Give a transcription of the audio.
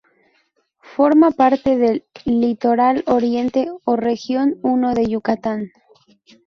Forma parte del "Litoral Oriente" o Región I de Yucatán.